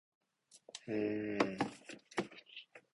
扉の向こうにはおそらくアレがある